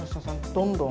どんどん。